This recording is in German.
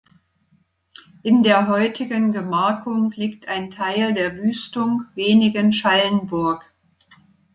In der heutigen Gemarkung liegt ein Teil der Wüstung "Wenigen-Schallenburg".